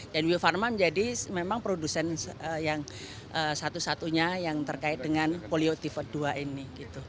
dan bio farma menjadi memang produsen yang satu satunya yang terkait dengan polioliar type dua ini